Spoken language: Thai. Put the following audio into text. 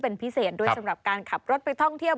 เป็นพิเศษด้วยสำหรับการขับรถไปท่องเที่ยว